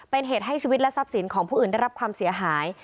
เป็นเหตุให้ชีวิตและทรัพย์สินของผู้อื่นได้รับความเสียหาย